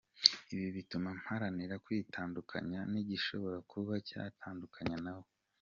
Ibi bituma mparanira kwitandukanya n’igishobora kuba cyantandukanya na we.